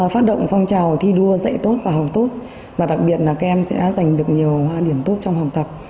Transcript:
phát động phong trào thi đua dạy tốt và học tốt và đặc biệt là các em sẽ giành được nhiều điểm tốt trong học tập